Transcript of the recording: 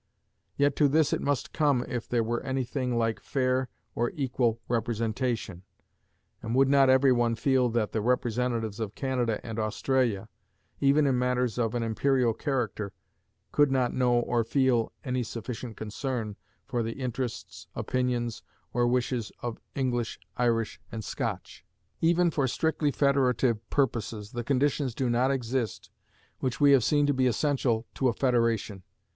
Yet to this it must come if there were any thing like fair or equal representation; and would not every one feel that the representatives of Canada and Australia, even in matters of an imperial character, could not know or feel any sufficient concern for the interests, opinions, or wishes of English, Irish, and Scotch? Even for strictly federative purposes the conditions do not exist which we have seen to be essential to a federation.